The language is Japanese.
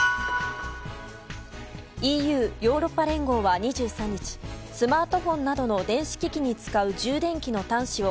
ＥＵ・ヨーロッパ連合は２３日スマートフォンなどの電子機器に使う充電器の端子を